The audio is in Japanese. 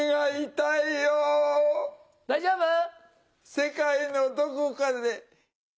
世界のどこかで。